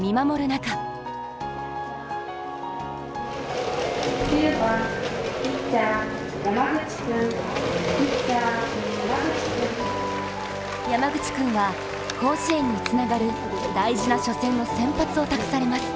中山口君は甲子園につながる大事な初戦の先発を託されます。